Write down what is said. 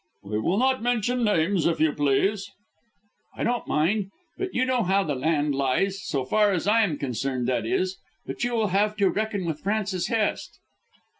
"We will not mention names, if you please." "I don't mind. But you know how the land lies so far as I am concerned, that is. But you will have to reckon with Francis Hest."